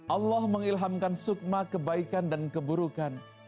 allah mengilhamkan sukma kebaikan dan keburukan